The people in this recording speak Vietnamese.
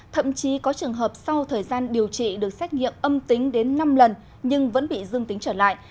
thậm chí có trường hợp sau thời gian điều trị được xét nghiệm âm tính đến năm lần nhưng vẫn bị dương tính trở lại